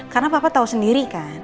karena papa tahu sendiri kan